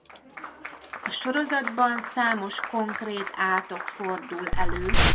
A sorozatban számos konkrét átok fordul elő.